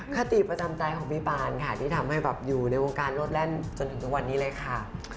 คติประจำใจของพี่ปานค่ะที่ทำให้แบบอยู่ในวงการรถแล่นจนถึงทุกวันนี้เลยค่ะ